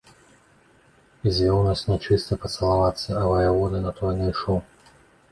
І звёў нас нячысты пацалавацца, а ваявода на тое найшоў.